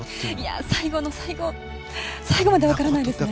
最後の最後までわからないですね。